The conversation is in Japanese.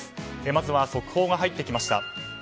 まずは速報が入ってきました。